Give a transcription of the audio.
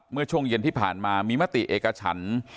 เมื่อช่วงเย็นที่ผ่านมามีมติเอกฉัน